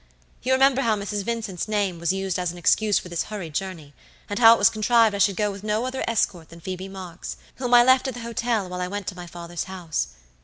You remember how Mrs. Vincent's name was used as an excuse for this hurried journey, and how it was contrived I should go with no other escort than Phoebe Marks, whom I left at the hotel while I went to my father's house.